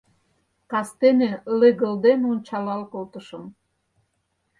Кастене легылден ончалал колтышым —